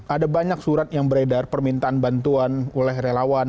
ada banyak surat yang beredar permintaan bantuan oleh relawan